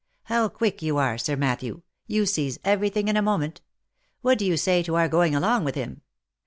" How quick you are. Sir Matthew ! you seize every thing in a moment. What do you say to our going along with him